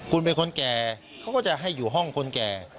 คุณเป็นคนแก่เขาก็จะให้อยู่ห้องคนแก่